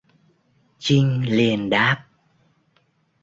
Chinh liền đáp